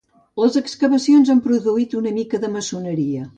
Les excavacions han produït una mica de maçoneria.